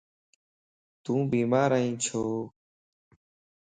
تون بيمار ائين ڇو؟